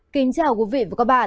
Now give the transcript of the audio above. kính chào quý vị và các bạn